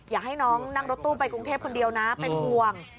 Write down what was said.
อยากให้น้องนั่งรถตู้ไปกรุงเทพคนเดียวนะเป็นห่วง